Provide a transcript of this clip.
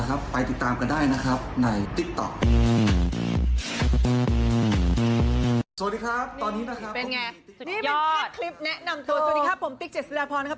นี่เป็นแค่คลิปแนะนำตัวสวัสดีครับผมติ๊กเจ็ดศิลป์แล้วพอนะครับ